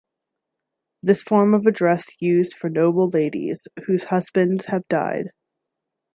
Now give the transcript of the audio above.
This form of address used for noble ladies whose husbands have died.